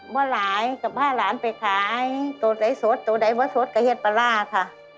ว่าหลายกับพาหลานไปขายตัวใดสดตัวใดเมื่อสดกับเห็ดปลาร่าค่ะ